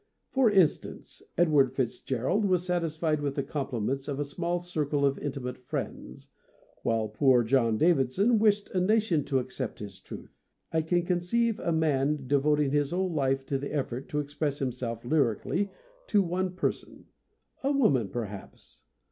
For instance, Edward Fitz gerald was satisfied with the compliments of a small circle of intimate friends, while poor John Davidson wished a nation to accept his truth. I can conceive a man devoting his whole life to the effort to express him self lyrically to one person, a woman per haps.